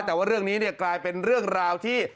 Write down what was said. แต่ว่าเรื่องนี้กลายเป็นเรื่องราวที่